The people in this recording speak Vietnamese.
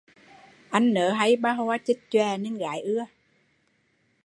Anh nớ hay ba hoa chích chòe nên gái ưa